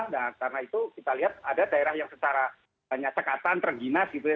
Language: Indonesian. nah karena itu kita lihat ada daerah yang secara banyak cekatan terginas gitu ya